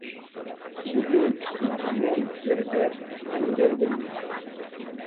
Dilluns na Ramona i en Pep aniré a Llambilles.